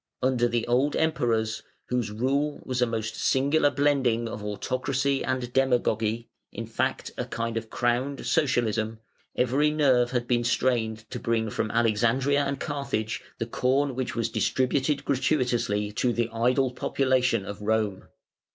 Under the old emperors, whose rule was a most singular blending of autocracy and demagogy, in fact a kind of crowned socialism, every nerve had been strained to bring from Alexandria and Carthage the corn which was distributed gratuitously to the idle population of Rome.